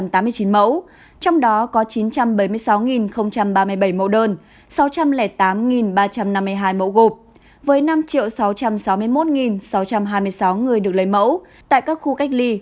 trong đó có chín trăm bảy mươi sáu ba mươi bảy mẫu đơn sáu trăm linh tám ba trăm năm mươi hai mẫu gộp với năm sáu trăm sáu mươi một sáu trăm hai mươi sáu người được lấy mẫu tại các khu cách ly